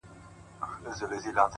ستا هم د پزي په افسر كي جادو.!